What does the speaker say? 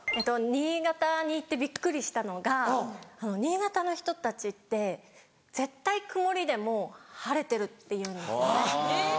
新潟に行ってびっくりしたのが新潟の人たちって絶対曇りでも晴れてるって言うんですね。